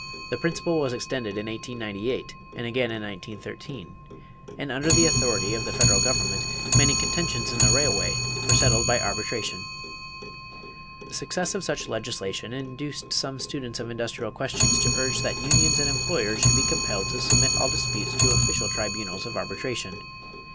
The principle was extended in 1898 and again in 1913, and under the authority of the federal government many contentions in the railway world were settled by arbitration. The success of such legislation induced some students of industrial questions to urge that unions and employers should be compelled to submit all disputes to official tribunals of arbitration.